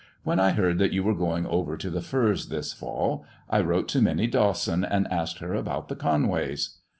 " When I heard that you were going over to The Firs this fall, I wrote to Minnie Dawson, and asked her about the Con ways."